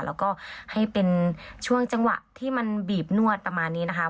แล้วก็ให้เป็นช่วงจังหวะที่มันบีบนวดประมาณนี้นะคะ